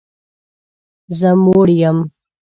زه موړ یم